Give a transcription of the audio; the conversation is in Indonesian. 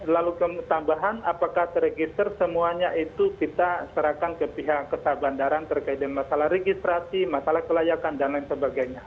lalu tambahan apakah terregister semuanya itu kita serahkan ke pihak kesehatan bandaran terkait dengan masalah registrasi masalah kelayakan dan lain sebagainya